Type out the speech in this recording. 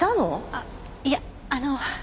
あっいやあの。